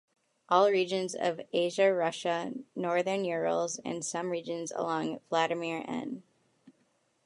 All regions of Asian Russia, Northern Urals and some regions along Vladimir-N.